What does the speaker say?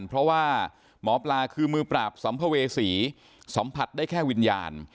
เพราะว่าหมอปลาคือมือปราบสัมภเวษีสัมผัสได้แค่วิญญาณ